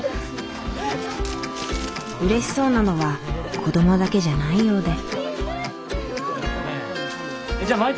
うれしそうなのは子どもだけじゃないようで。